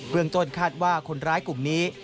เมืองต้นคาดว่าคนร้ายกลุ่มนี้